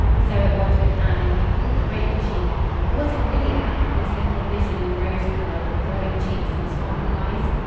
So it was with Anne in her pink crepe de Chine. Or was it really Anne, this little vision in rose color with glowing cheeks and sparkling eyes?